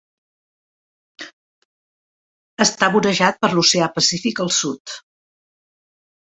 Està vorejat per l'Oceà Pacífic al sud.